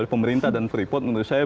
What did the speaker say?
pemerintah dan freeport menurut saya